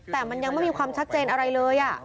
แต่มันยังไม่มีความชัดเจนอะไรเลย